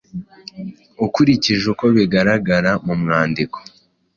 Ukurikije uko bigaragara mu mwandiko,